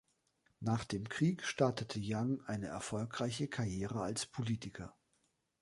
Nach dem Krieg startete Young eine erfolgreiche Karriere als Politiker.